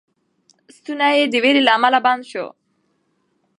ستونی یې د وېرې له امله بند شو.